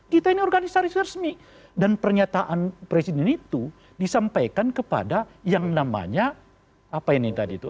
kita ini organisasi resmi dan pernyataan presiden itu disampaikan kepada yang namanya apa ini tadi itu